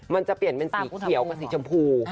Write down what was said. มันจะเปลี่ยนเป็นสีเขียวกับสีชมพู